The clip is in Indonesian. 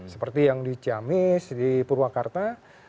seperti yang di ciamis di purwakarta